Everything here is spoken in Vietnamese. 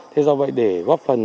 thế do vậy để góp phần